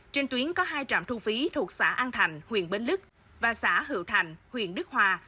trên tuyến có hai trạm thu phí thuộc xã an thành huyện bến lức và xã hữu thành huyện đức hòa